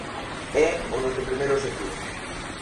É o noso primeiro obxectivo.